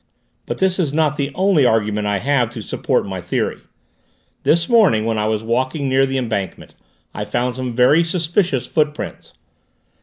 "But this is not the only argument I have to support my theory. This morning, when I was walking near the embankment, I found some very suspicious footprints.